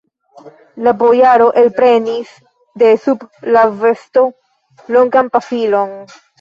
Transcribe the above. La bojaro elprenis de sub la vesto longan pafilon.